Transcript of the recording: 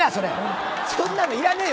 そんなのいらねえよ